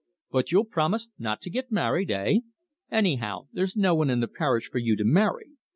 But you'll promise not to get married eh? Anyhow, there's no one in the parish for you to marry.